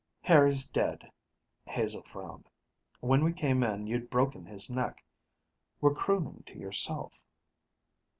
"Harry's dead," Hazel frowned. "When we came in, you'd broken his neck, were crooning to yourself."